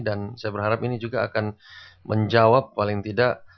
saya berharap ini juga akan menjawab paling tidak